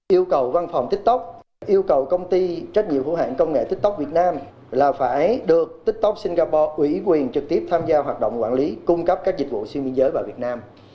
yêu cầu văn phòng tiktok yêu cầu công ty trách nhiệm hữu hãng công nghệ tiktok việt nam là phải được tiktok singapore ủy quyền trực tiếp tham gia hoạt động quản lý cung cấp các dịch vụ xuyên biên giới vào việt nam